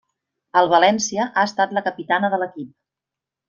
Al València ha estat la capitana de l'equip.